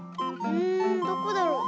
うんどこだろう？